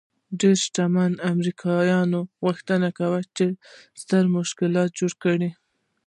ډېرو شتمنو امريکايانو غوښتل چې ستر تشکيلات جوړ کړي.